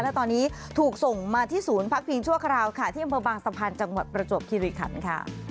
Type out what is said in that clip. และตอนนี้ถูกส่งมาที่ศูนย์พักพิงชั่วคราวค่ะที่อำเภอบางสะพานจังหวัดประจวบคิริขันค่ะ